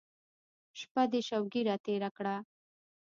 شپه دې شوګیره تېره کړه.